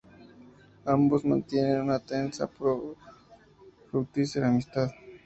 Ambos mantienen una tensa pero fructífera amistad.